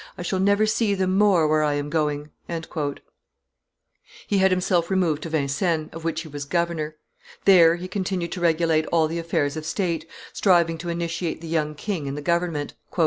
I shall never see them more where I am going.'" He had himself removed to Vincennes, of which he was governor. There he continued to regulate all the affairs of state, striving to initiate the young king in the government.